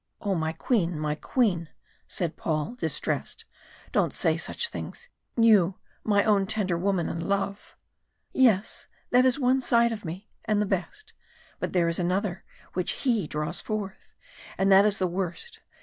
"Oh, my Queen, my Queen!" said Paul, distressed. "Don't say such things you, my own tender woman and love " "Yes, that is one side of me, and the best but there is another, which he draws forth, and that is the worst.